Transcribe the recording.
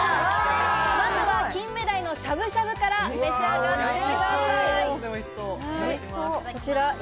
まずは金目鯛のしゃぶしゃぶから召し上がってください。